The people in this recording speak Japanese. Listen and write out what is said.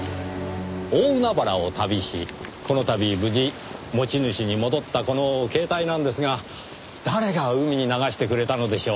大海原を旅しこの度無事持ち主に戻ったこの携帯なんですが誰が海に流してくれたのでしょう？